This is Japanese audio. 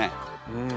うん。